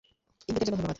ইঙ্গিতের জন্য ধন্যবাদ।